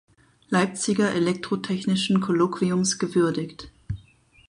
Leipziger Elektrotechnischen Kolloquiums gewürdigt.